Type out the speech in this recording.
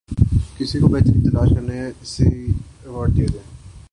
کسی کو بہترین تلاش کرنے پر اسے ایوارڈ دیں